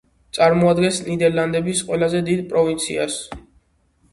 წარმოადგენს ნიდერლანდების ყველაზე დიდ პროვინციას.